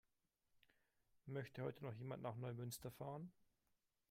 Möchte heute noch jemand nach Neumünster fahren?